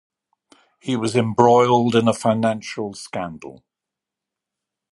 He was embroiled in a financial scandal.